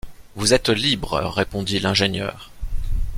Vous êtes libre, répondit l’ingénieur.